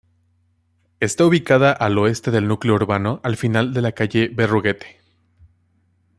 Está ubicada al oeste del núcleo urbano, al final de la calle Berruguete.